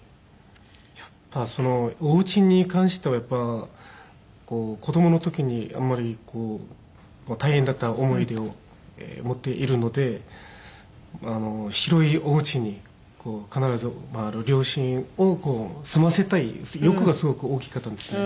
やっぱお家に関しては子どもの時にあんまりこう大変だった思い出を持っているので広いお家に必ず両親を住ませたい欲がすごく大きかったんですよ。